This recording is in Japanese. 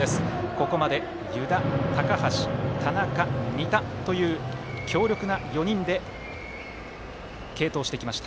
ここまで湯田、高橋田中、仁田という強力な４人で継投してきました。